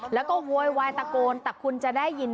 แล้วก็โวยวายตะโกนแต่คุณจะได้ยิน